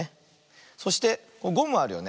そしてゴムあるよね。